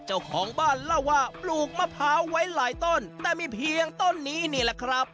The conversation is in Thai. เจ้าของบ้านเล่าว่าปลูกมะพร้าวไว้หลายต้นแต่มีเพียงต้นนี้นี่แหละครับ